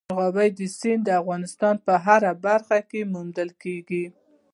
مورغاب سیند د افغانستان په هره برخه کې موندل کېږي.